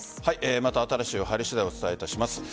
また新しい情報が入り次第お伝えします。